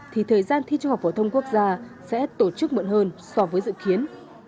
thì thời gian thi trung học phổ thông quốc gia sẽ tổ chức muộn hơn so với dự kiến